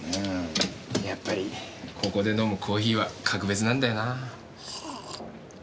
やっぱりここで飲むコーヒーは格別なんだよなあ。